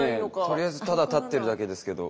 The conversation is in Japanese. とりあえずただ立ってるだけですけど。